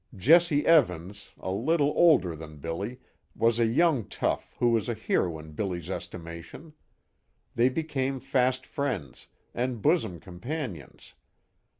Jesse Evans, a little older than Billy, was a young tough who was a hero in Billy's estimation. They became fast friends, and bosom companions.